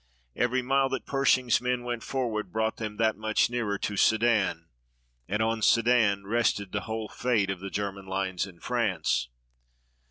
Every mile that Pershing's men went forward brought them that much nearer to Sedan, and on Sedan rested the whole fate of the German lines in France.